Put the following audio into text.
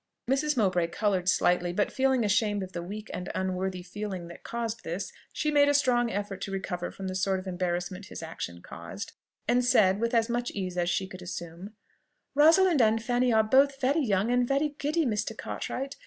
Mrs. Mowbray coloured slightly; but feeling ashamed of the weak and unworthy feeling that caused this, she made a strong effort to recover from the sort of embarrassment his action caused, and said, with as much ease as she could assume, "Rosalind and Fanny are both very young and very giddy, Mr. Cartwright.